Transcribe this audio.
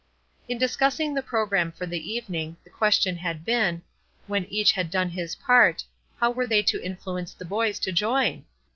In discussing the programme for the evening, the question had been, when each had done his part, How were they to influence the boys to join?